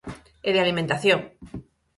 E de alimentación.